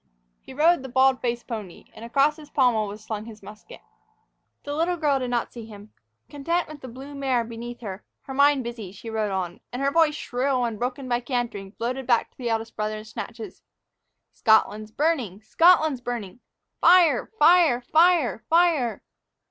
He rode the bald faced pony, and across his pommel was slung his musket. The little girl did not see him. Content with the blue mare beneath her, her mind busy, she rode on. And her voice, shrill, and broken by her cantering, floated back to the eldest brother in snatches: "Scotland's burning! Scotland's burning! Fire! Fire! Fire! Fire!